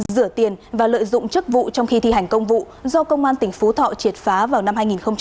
rửa tiền và lợi dụng chức vụ trong khi thi hành công vụ do công an tỉnh phú thọ triệt phá vào năm hai nghìn một mươi ba